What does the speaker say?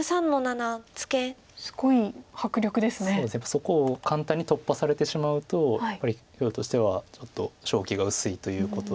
そこを簡単に突破されてしまうとやっぱり黒としてはちょっと勝機が薄いということで。